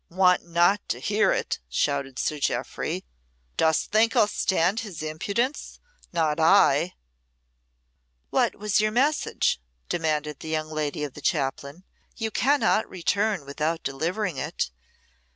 "Want not to hear it!" shouted Sir Jeoffry. "Dost think I'll stand his impudence? Not I!" "What was your message?" demanded the young lady of the chaplain. "You cannot return without delivering it.